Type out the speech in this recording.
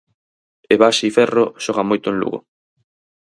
E Baxi Ferro xoga moito en Lugo.